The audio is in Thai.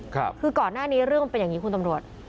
คือก่อนหน้านี้เรื่องมันเป็นอย่างนี้คุณตำรวจ